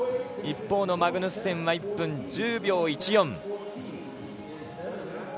一方のマグヌッセンは１分１０秒１４。